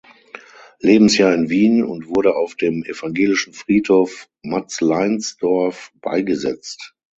Lebensjahr in Wien und wurde auf dem Evangelischen Friedhof Matzleinsdorf beigesetzt.